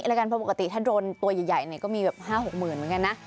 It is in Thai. เพราะปกติถ้าโดรนตัวใหญ่นี่ก็มี๕๖๐๐๐๐บาทเหมือนกันนะ